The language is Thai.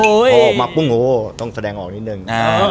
พอออกมาปุ้งโอ้ต้องแสดงออกนิดนึง